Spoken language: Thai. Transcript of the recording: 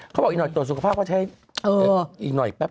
เขาบอกอีกหน่อยตรวจสุขภาพก็ใช้อีกหน่อยแป๊บ